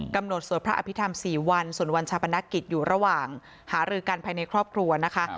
สวดพระอภิษฐรรม๔วันส่วนวันชาปนกิจอยู่ระหว่างหารือกันภายในครอบครัวนะคะ